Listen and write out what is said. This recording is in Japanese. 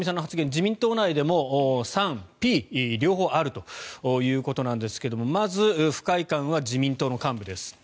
自民党内でも賛否両方あるということなんですがまず不快感は自民党の幹部です。